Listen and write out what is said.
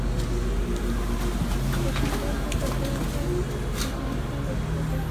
এ সংক্রান্তে তাদের অধিকাংশ বক্তব্যই ভিত্তিহীন, মিথ্যা ধারণা ও অবাস্তব দাবি।